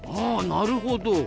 あなるほど。